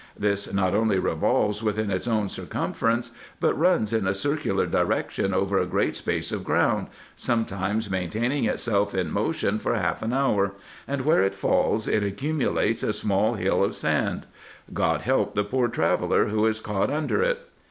This not only revolves within its own circumference, but runs in a circular direction over a great space of ground, sometimes maintaining itself in motion for half an hour, and where it falls it accumulates a small lull of sand. God help the poor traveller who is caught under it